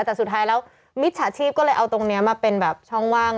แต่สุดท้ายแล้วมิจฉาชีพก็เลยเอาตรงนี้มาเป็นแบบช่องว่าง